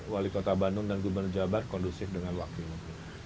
wali kota bandung dan gubernur jabat kondusif dengan wakil wakil